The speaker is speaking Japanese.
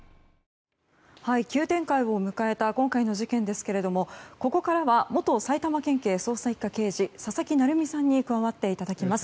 急展開を迎えた今回の事件ですがここからは元埼玉県警捜査１課刑事佐々木成三さんに加わっていただきます。